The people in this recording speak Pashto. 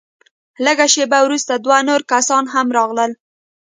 لږه شېبه وروسته دوه نور کسان هم راغلل.